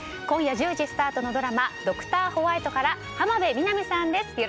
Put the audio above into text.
今夜１０時スタートのドラマ「ドクターホワイト」から浜辺美波さんです。